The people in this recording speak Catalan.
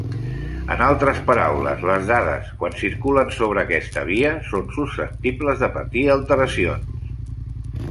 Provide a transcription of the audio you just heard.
En altres paraules, les dades, quan circulen sobre aquesta via, són susceptible de patir alteracions.